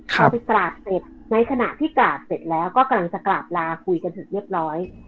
พอไปกราบเสร็จในขณะที่กราบเสร็จแล้วก็กำลังจะกราบลาคุยกันถึงเรียบร้อย